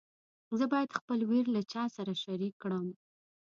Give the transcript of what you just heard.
زه باید خپل ویر له چا سره شریک کړم.